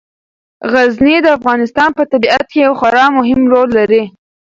غزني د افغانستان په طبیعت کې یو خورا مهم رول لري.